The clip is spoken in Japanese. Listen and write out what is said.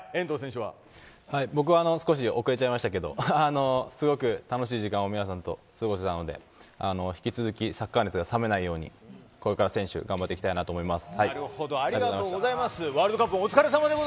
僕は少し遅れちゃいましたけどすごく楽しい時間を皆さんと過ごせたので引き続きサッカー熱が冷めないようにこれから選手頑張っていきたいなと思います。